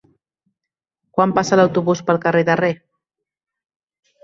Quan passa l'autobús pel carrer Terré?